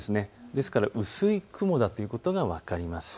ですから薄い雲だということが分かります。